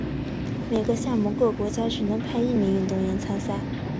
每个项目各国家只能派一名运动员参赛。